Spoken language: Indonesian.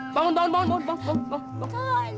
bangun bangun bangun bangun bangun